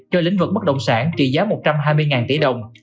cho lĩnh vực bất động sản trị giá một trăm hai mươi tỷ đồng